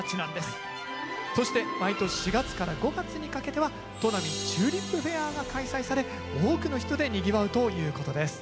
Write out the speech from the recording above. そして毎年４月から５月にかけてはとなみチューリップフェアが開催され多くの人でにぎわうということです。